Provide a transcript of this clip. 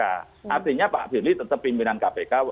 artinya pak firly tetap pimpinan kpk